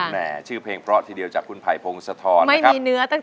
แหน่ชื่อเพลงเพราะทีเดียวจับคุณไพพงศรษฐรนะครับ